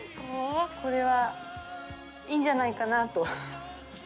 これはいいんじゃないかなと。